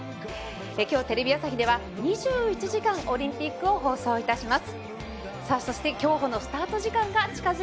今日、テレビ朝日では２１時間オリンピックを放送いたします。